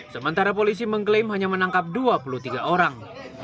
sementara polisi mengklaim hanya menangkap dua puluh tiga orang